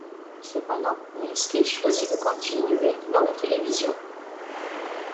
Cependant Milski choisit de continuer dans la télévision.